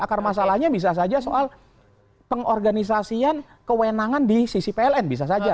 akar masalahnya bisa saja soal pengorganisasian kewenangan di sisi pln bisa saja